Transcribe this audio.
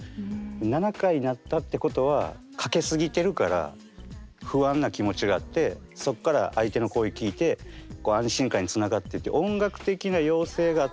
７回鳴ったってことはかけすぎてるから不安な気持ちがあってそこから相手の声聞いて安心感につながっていって。